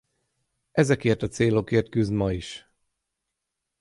Ezekért a célokért küzd ma is.